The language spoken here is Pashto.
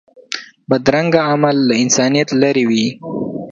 بدرنګه عمل له انسانیت لرې وي